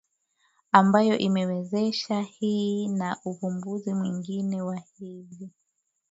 ambayo imewezesha hii na uvumbuzi mwingine wa hivi